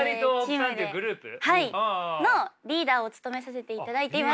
のリーダーを務めさせていただいています。